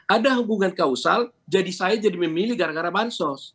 ada hubungan kausal jadi saya jadi memilih gara gara bansos